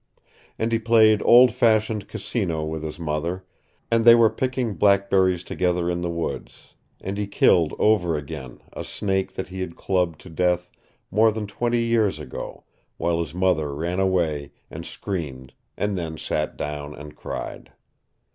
And he played old fashioned casino with his mother, and they were picking blackberries together in the woods, and he killed over again a snake that he had clubbed to death more than twenty years ago, while his mother ran away and screamed and then sat down and cried.